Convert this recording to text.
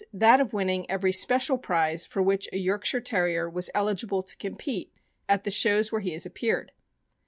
that of winning every special prize for which a Yorkshire Terrier was eligible to compete at the §hows where he has appeared.